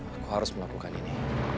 aku harus melakukan ini